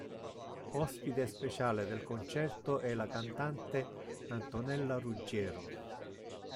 Ospite speciale del concerto è la cantante Antonella Ruggiero.